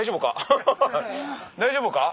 大丈夫か？